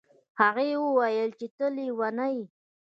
هغې وویل چې ته لیونی یې.